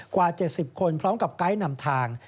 กว่า๗๐คนพร้อมกับไกด์นำทาง